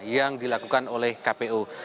yang dilakukan oleh kpu